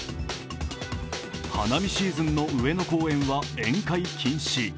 花見シーズンの上野公園は宴会禁止。